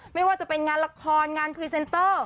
ไม่ว่าจะเป็นงานละครงานพรีเซนเตอร์